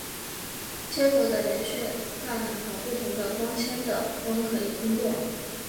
接头的接续让两条不同的光纤的光可以通过。